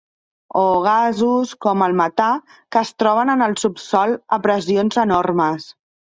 O gasos, com el metà, que es troben en el subsòl a pressions enormes.